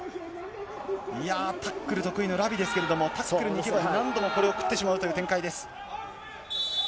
いやあ、タックル得意のラビですけれども、タックルにいけば何度もこれをくってしまうという展開です。